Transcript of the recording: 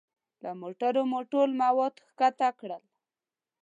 له موټرو مو ټول مواد ښکته کړل.